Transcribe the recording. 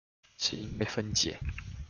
是因為分解